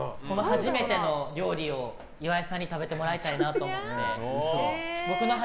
初めての料理を岩井さんに食べてもらいたいなと思って。